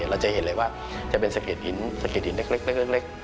เราจะเห็นเลยว่าจะเป็นสะเก็ดหินสะเก็ดหินเล็ก